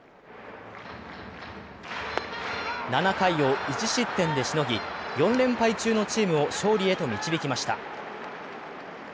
７回を１失点でしのぎ、４連敗中のチームを勝利へと導きました。